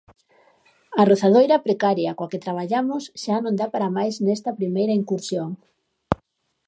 A rozadoira precaria coa que traballamos xa non dá para máis nesta primeira incursión.